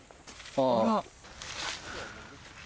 あら。